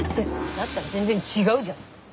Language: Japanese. だったら全然違うじゃん。